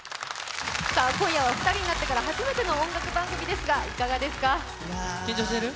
今夜は２人になってから初めての音楽番組ですが緊張してる？